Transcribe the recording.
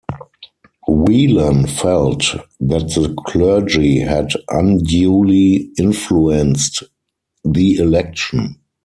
Whelan felt that the clergy had unduly influenced the election.